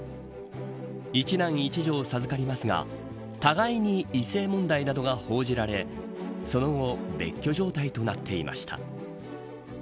１男１女を授かりますが互いに異性問題などが報じられその後別居状態となっていました。